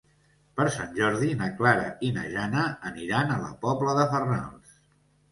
Per Sant Jordi na Clara i na Jana aniran a la Pobla de Farnals.